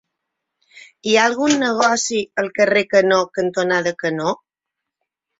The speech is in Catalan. Hi ha algun negoci al carrer Canó cantonada Canó?